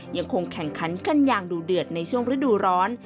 ยังคงแข่งขันกันอย่างดูเดือดในช่วงฤดูร้อน